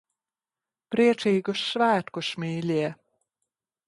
Priecīgus svētkus, mīļie!